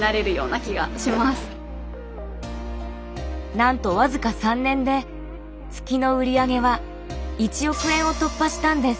なんと僅か３年で月の売上は１億円を突破したんです。